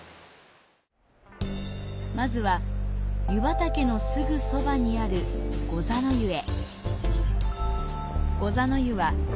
まずは、湯畑のすぐそばにある御座之湯へ。